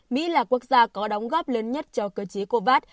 mỹ là quốc gia có đóng góp lớn nhất cho cơ chế covax